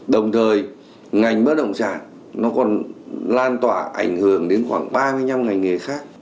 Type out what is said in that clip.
đồng thời ngành bất động sản nó còn lan tỏa ảnh hưởng đến khoảng ba mươi năm ngành nghề khác